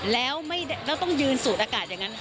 แล้วต้องยืนสูดอากาศอย่างนั้น